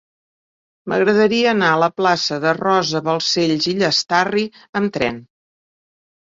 M'agradaria anar a la plaça de Rosa Balcells i Llastarry amb tren.